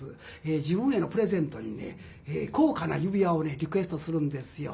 自分へのプレゼントにね高価な指輪をねリクエストするんですよ。